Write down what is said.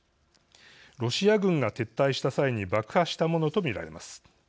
ロシア軍が撤退した際に爆破したものと見られます。